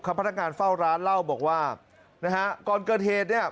พนักงานเฝ้าร้านเล่าบอกว่านะฮะก่อนเกิดเหตุเนี่ย